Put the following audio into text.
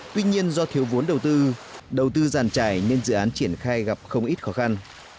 tuy nhiên do thiếu vốn đầu tư đầu tư giàn trải nên dự án triển khai gặp không ít khó khăn